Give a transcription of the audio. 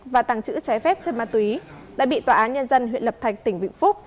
và tàng trữ trái phép chất ma túy đã bị tòa án nhân dân huyện lập thạch tỉnh vĩnh phúc